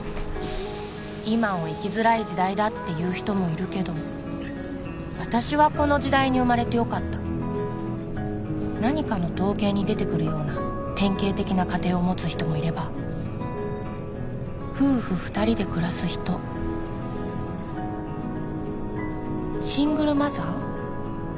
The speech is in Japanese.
今を生きづらい時代だっていう人もいるけど私はこの時代に生まれてよかった何かの統計に出てくるような典型的な家庭を持つ人もいれば夫婦二人で暮らす人シングルマザー？